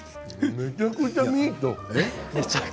めちゃくちゃミート。